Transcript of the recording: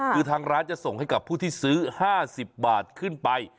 คือทางร้านจะส่งให้กับผู้ที่ซื้อ๕๐บาทขึ้นไป